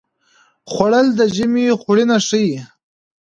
خوړل د ژمي خوړینه ښيي